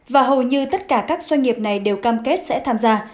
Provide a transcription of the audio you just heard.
và hầu như tất cả các doanh nghiệp này đều cam kết sẽ tham gia